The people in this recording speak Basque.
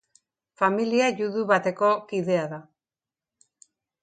Familia judu bateko kidea da.